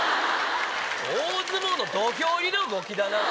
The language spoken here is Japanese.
大相撲の土俵入りの動きだな。